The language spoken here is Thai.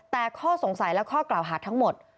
แต่ข้อสงสัยและข้อกล่าวหาทั้งหมด